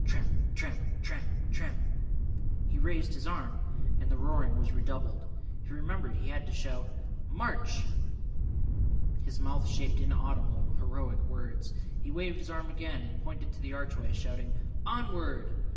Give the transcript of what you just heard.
Tramp, tramp, tramp, tramp. He raised his arm, and the roaring was redoubled. He remembered he had to shout "March!" His mouth shaped inaudible heroic words. He waved his arm again and pointed to the archway, shouting "Onward!"